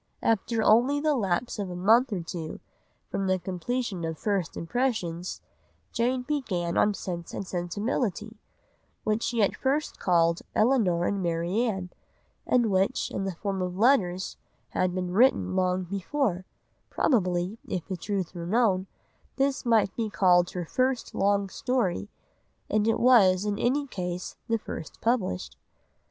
After only the lapse of a month or two from the completion of First Impressions, Jane began on Sense and Sensibility, which she at first called Elinor and Marianne, and which, in the form of letters, had been written long before; probably, if the truth were known, this might be called her first long story, and it was in any case the first published.